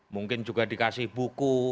mungkin juga dikasih buku